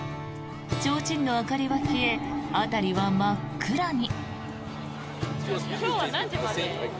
ちょうちんの明かりは消え辺りは真っ暗に。